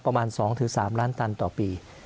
ประมาณ๒๓ล้านตันต่อปี